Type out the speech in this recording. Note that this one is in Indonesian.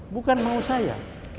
bukan mau saya